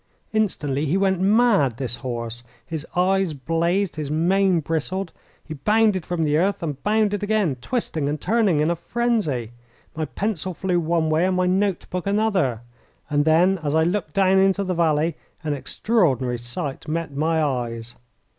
Instantly he went mad this horse. His eyes blazed. His mane bristled. He bounded from the earth and bounded again, twisting and turning in a frenzy. My pencil flew one way and my note book another. And then, as I looked down into the valley, an extraordinary sight met my eyes.